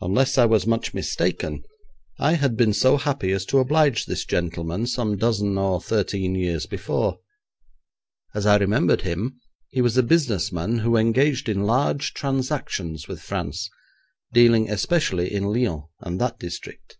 Unless I was much mistaken, I had been so happy as to oblige this gentleman some dozen or thirteen years before. As I remembered him, he was a business man who engaged in large transactions with France, dealing especially in Lyons and that district.